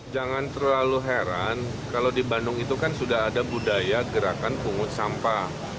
jangan terlalu heran kalau di bandung itu kan sudah ada budaya gerakan pungut sampah